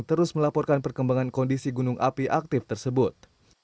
terus melaporkan perkembangan kondisi gunung api aktif tersebut